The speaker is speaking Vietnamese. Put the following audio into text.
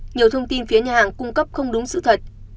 nhiều thông tin phía nhà hàng cung cấp không đúng sự thật